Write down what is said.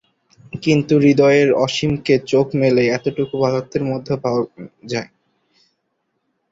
কিন্তু হৃদয়ের অসীমকে চোখ মেলে এতটুকু পদার্থের মধ্যেও পাওয়া যায়।